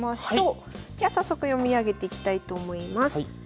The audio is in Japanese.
では早速読み上げていきたいと思います。